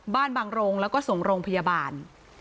บางโรงแล้วก็ส่งโรงพยาบาล